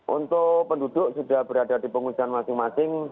untuk penduduk sudah berada di pengungsian masing masing